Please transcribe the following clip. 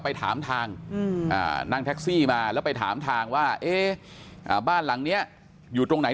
ไปถามทางนั่งแท็กซี่มาแล้วไปถามทางว่าบ้านหลังนี้อยู่ตรงไหน